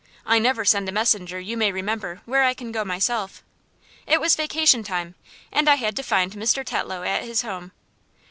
I never send a messenger, you may remember, where I can go myself. It was vacation time, and I had to find Mr. Tetlow at his home.